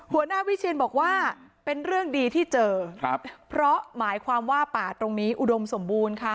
หัวหน้าวิเชียนบอกว่าเป็นเรื่องดีที่เจอครับเพราะหมายความว่าป่าตรงนี้อุดมสมบูรณ์ค่ะ